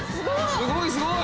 すごいすごい！